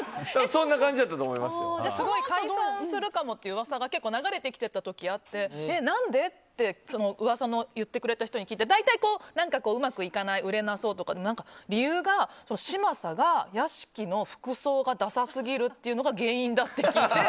そのあと解散するかもって噂が流れてた時があって何で？って噂の言ってくれた人に聞くと大体、うまくいかない売れなそうとかなのに、理由が嶋佐が、屋敷の服装がダサすぎるっていうのが原因だって聞いて。